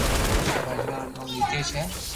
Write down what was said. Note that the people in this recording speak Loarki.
پوچوا رو نوم نيتيس ھي